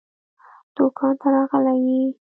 دوکان ته راغلی يې؟